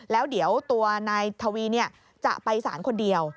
แล้วเดี๋ยวตัวนายทวีจะไปสารคนเดียว